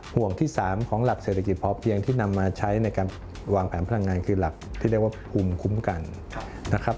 ห่วงที่๓ของหลักเศรษฐกิจพอเพียงที่นำมาใช้ในการวางแผนพลังงานคือหลักที่เรียกว่าภูมิคุ้มกันนะครับ